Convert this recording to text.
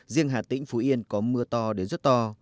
riêng hà tĩnh phú yên có mưa to đến rất to